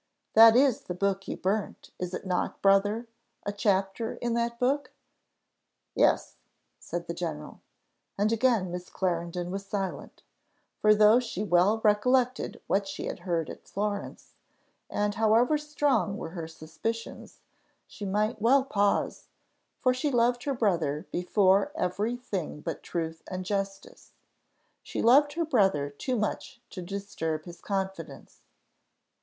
That is the book you burnt, is not it, brother? a chapter in that book?" "Yes," said the general. And again Miss Clarendon was silent; for though she well recollected what she had heard at Florence, and however strong were her suspicions, she might well pause; for she loved her brother before every thing but truth and justice, she loved her brother too much to disturb his confidence.